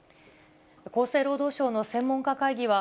厚生労働省の専門家会議は、